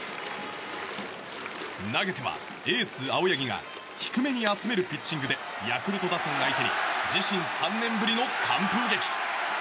投げては、エース青柳が低めに集めるピッチングでヤクルト打線相手に自身３年ぶりの完封劇。